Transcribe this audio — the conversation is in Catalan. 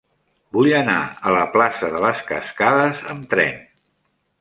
Vull anar a la plaça de les Cascades amb tren.